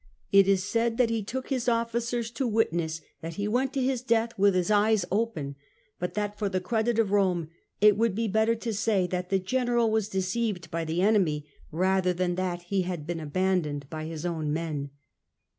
It is said that he took his officers to witness that he went to his death with his eyes open, but that for the credit of Rome it would be better to say that the general was deceived by the enemy rather than that he had been abandoned by his own men."